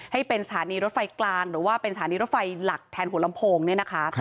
ให้เป็นสถานีรถไฟกลางหรือว่าเป็นสถานีรถไฟหลักแทนหัวลำโพงเนี่ยนะคะ